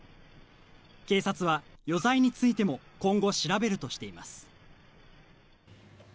警察は余罪についても今後調べるとしています。